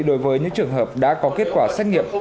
đối với những trường hợp đã có kết quả xét nghiệm